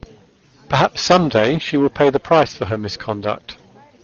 Perhaps some day she will pay the price for her misconduct.